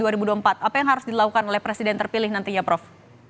apa yang harus dilakukan oleh presiden terpilih nantinya prof